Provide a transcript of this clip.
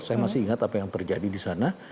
saya masih ingat apa yang terjadi di sana